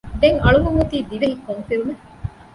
ދެން އަޅުވަން އޮތީ ދިވެހި ކޮން ފިލްމެއް؟